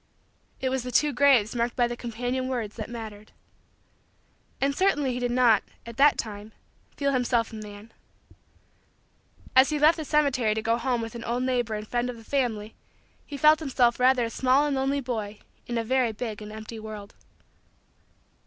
It was the two graves marked by the companion words that mattered. And certainly he did not, at that time, feel himself a man. As he left the cemetery to go home with an old neighbor and friend of the family, he felt himself rather a very small and lonely boy in a very big and empty world.